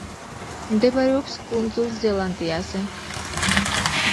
მდებარეობს კუნძულ ზელანდიაზე.